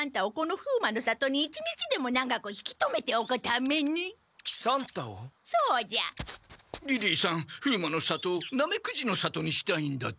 風魔の里をナメクジの里にしたいんだって。